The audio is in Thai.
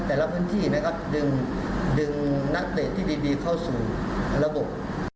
แต่ละพื้นที่ดึงนักเตรียมที่ดีเข้าสู่ระบบ